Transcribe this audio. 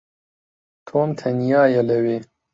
تۆم تەنیایە لەوێ.